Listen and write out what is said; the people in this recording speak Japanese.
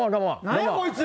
何やこいつ！？